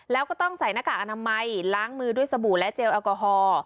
แล้วก็ต้องใส่หน้ากากอนามัยล้างมือด้วยสบู่และเจลแอลกอฮอล์